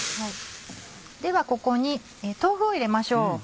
ではここに豆腐を入れましょう。